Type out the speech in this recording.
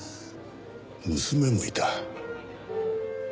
娘もいた。